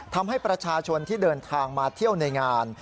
ทำให้ประชาชนที่เดินทางมาเที่ยวในงาน